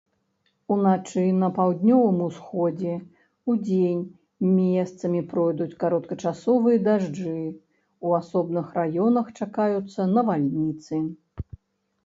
Уначы на паўднёвым усходзе, удзень месцамі пройдуць кароткачасовыя дажджы, у асобных раёнах чакаюцца навальніцы.